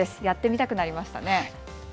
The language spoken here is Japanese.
やってみたくなりましたね。